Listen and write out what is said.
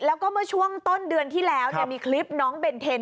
แล้วก็เมื่อช่วงต้นเดือนที่แล้วมีคลิปน้องเบนเทน